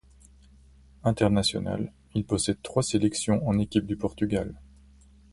International, il possède trois sélections en équipe du Portugal.